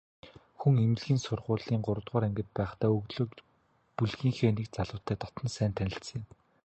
Хүн эмнэлгийн сургуулийн гуравдугаар ангид байхдаа нөгөө бүлгийнхээ нэг залуутай дотно сайн танилцсан юм.